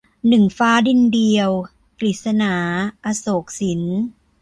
หนึ่งฟ้าดินเดียว - กฤษณา อโศกสิน